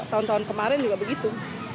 tahun tahun kemarin juga begitu